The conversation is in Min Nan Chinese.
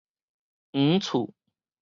黃厝